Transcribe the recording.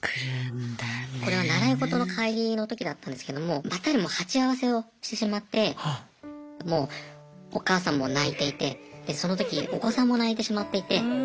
これは習い事の帰りの時だったんですけどもバッタリもう鉢合わせをしてしまってもうお母さんも泣いていてでその時お子さんも泣いてしまっていて。